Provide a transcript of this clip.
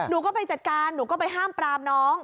หนูก็ไปจัดการหนูก็ไปห้ามปรามน้อง